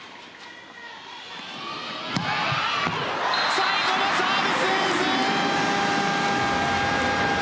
最後もサービスエース！